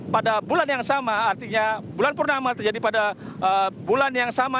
pada bulan yang sama artinya bulan purnama terjadi pada bulan yang sama